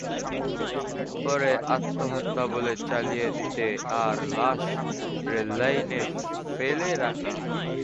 পরে আত্মহত্যা বলে চালিয়ে দিতে তাঁর লাশ রেললাইনে ফেলে রাখা হয়।